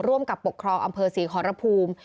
ร่วมกับปกครองอำเภอศรีครภูมิ